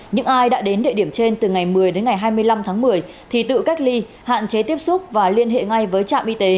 những ai đã đến địa điểm trên từ ngày một mươi đến ngày hai mươi năm tháng một mươi thì tự cách ly hạn chế tiếp xúc và liên hệ ngay với trạm y tế